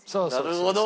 なるほど！